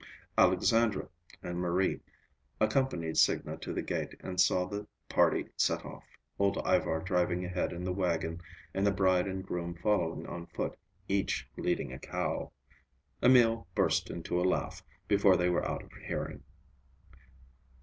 Alexandra and Marie accompanied Signa to the gate and saw the party set off, old Ivar driving ahead in the wagon and the bride and groom following on foot, each leading a cow. Emil burst into a laugh before they were out of hearing.